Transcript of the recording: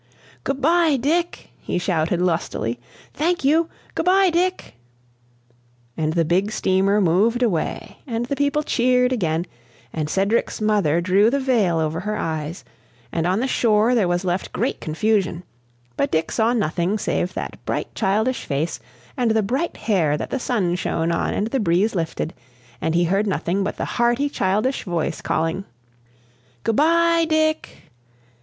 "Good bye, Dick!" he shouted, lustily. "Thank you! Good bye, Dick!" And the big steamer moved away, and the people cheered again, and Cedric's mother drew the veil over her eyes, and on the shore there was left great confusion; but Dick saw nothing save that bright, childish face and the bright hair that the sun shone on and the breeze lifted, and he heard nothing but the hearty childish voice calling "Good bye, Dick!"